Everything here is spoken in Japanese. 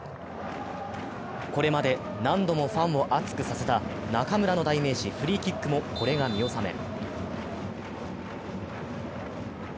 これまで何度もファンを熱くさせた中村の代名詞・フリーキックもこれが見納め。